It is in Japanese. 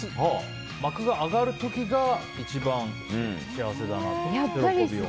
幕が上がる時が一番幸せだなと、喜びを。